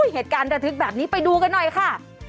เหตุการณ์ระทึกแบบนี้ไปดูกันหน่อยค่ะ